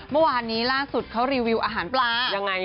เมื่อวานนี้ล่าสุดเขารีวิวอาหารปลายังไง